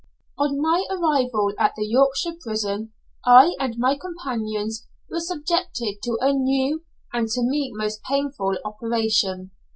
On my arrival at the Yorkshire prison I and my companions were subjected to a new, and to me most painful operation.